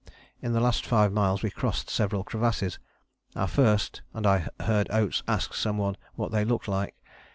In the last five miles we crossed several crevasses, our first; and I heard Oates ask some one what they looked like.